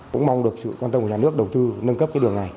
cũng mong được sự quan tâm của nhà nước đầu tư nâng cấp cái đường này